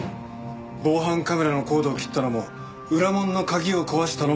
防犯カメラのコードを切ったのも裏門の鍵を壊したのも財前だ。